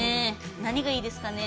何がいいですかね。